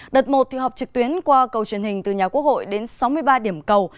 đợt một thì họp trực tuyến qua cầu truyền hình từ nhà quốc hội đến sáu mươi ba điểm cầu